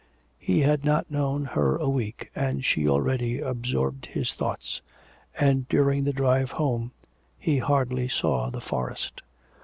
He had not known her a week, and she already absorbed his thoughts. And, during the drive home, he hardly saw the forest.